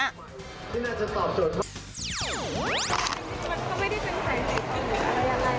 มันก็ไม่ได้เป็นไทยสิบหรืออะไร